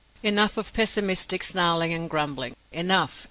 Enough of pessimistic snarling and grumbling! Enough!